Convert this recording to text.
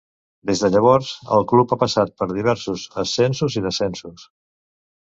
Des de llavors, el club ha passat per diversos ascensos i descensos.